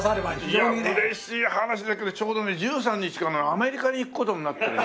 いや嬉しい話だけどちょうど１３日からアメリカに行く事になってる。